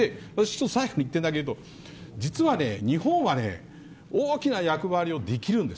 最後に１点、実は日本は大きな役割をできるんです。